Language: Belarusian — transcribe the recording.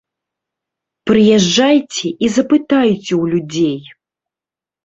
Прыязджайце і запытайце ў людзей!